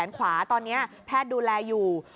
เอาเนื้อ